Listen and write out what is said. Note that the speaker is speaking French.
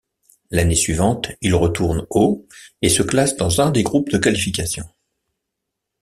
L'année suivante, il retourne au et se classe dans un des groupes de qualification.